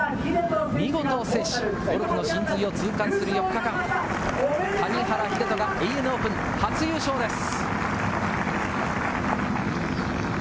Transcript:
見事制し、ゴルフの神髄を感じる４日間、谷原秀人がＡＮＡオープン、初優勝です。